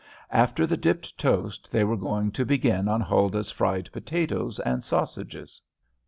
After the dipped toast, they were going to begin on Huldah's fried potatoes and sausages.